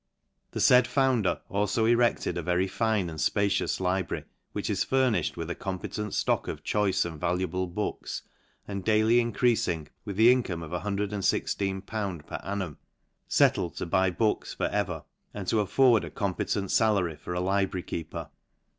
The faid founder alfo erected a very fine and fpa cious library, which is furnifhed with a competent frock of choice and valuable books, and daily in* creating, with the income of 1 16 /. per arm. fettled ro buy books for ever, and to afford a competent falary for a library keeper.